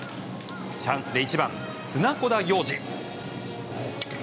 チャンスで１番、砂子田陽士。